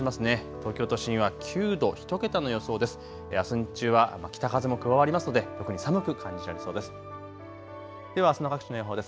東京都心は９度、１桁の予想です。